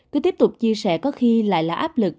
cứ tiếp tục chia sẻ có khi lại là áp lực